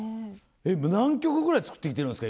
何曲ぐらい作って来てるんですか？